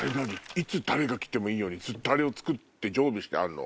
いつ誰が来てもいいようにずっとあれを作って常備してあんの？